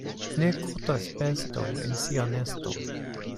Ne kotas besto en sia nesto.